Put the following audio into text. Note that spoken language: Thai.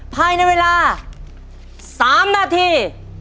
ภายในเวลา๓นาที